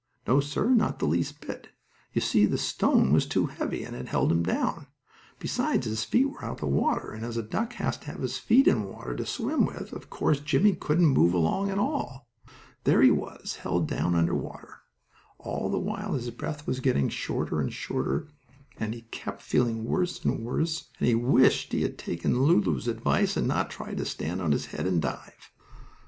No, sir, not the least bit. You see the stone was too heavy, and it held him down. Besides, his feet were out of the water, and as a duck has to have his feet in water to swim with, of course, Jimmie couldn't move along at all. There he was, held down under water, and all the while his breath was getting shorter and shorter, and he kept feeling worse and worse, and he wished he had taken Lulu's advice and not tried to stand on his head and dive.